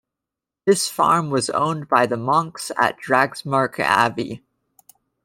This farm was owned by the monks at Dragsmark Abbey.